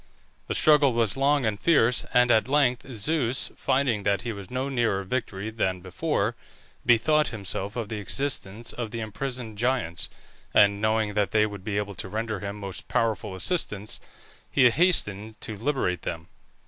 The struggle was long and fierce, and at length Zeus, finding that he was no nearer victory than before, bethought himself of the existence of the imprisoned Giants, and knowing that they would be able to render him most powerful assistance, he hastened to liberate them.